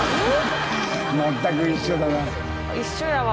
全く一緒だな。